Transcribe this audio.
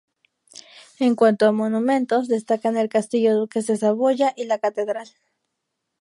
En cuanto a monumentos, destacan el Castillo duques de Saboya y la catedral.